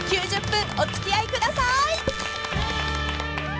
［９０分お付き合いください］